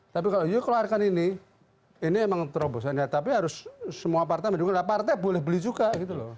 tapi kalau you keluarkan ini ini emang terobosannya tapi harus semua partai mendukunglah partai boleh beli juga gitu loh